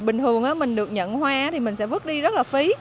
bình thường mình được nhận hoa thì mình sẽ vứt đi rất là phí